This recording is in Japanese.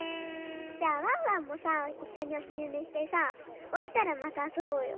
じゃあワンワンもさいっしょにおひるねしてさおきたらまたあそぼうよ。